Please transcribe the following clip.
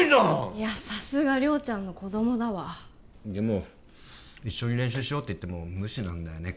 いやさすが亮ちゃんの子どもだわでも一緒に練習しようって言っても無視なんだよね